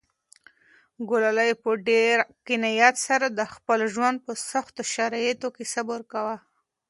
ګلالۍ په ډېر قناعت سره د خپل ژوند په سختو شرایطو کې صبر کاوه.